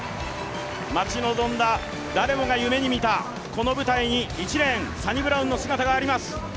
待ち望んだ誰もが夢に見たこの舞台に１レーンサニブラウンの姿があります。